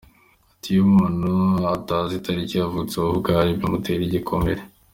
Ati « Iyo umuntu atazi itariki yavutseho ubwabyo bimutera igikomere.